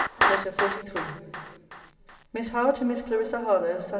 LETTER XLIII MISS HOWE, TO MISS CLARISSA HARLOWE SAT.